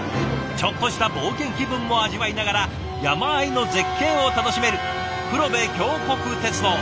ちょっとした冒険気分も味わいながら山あいの絶景を楽しめる黒部峡谷鉄道。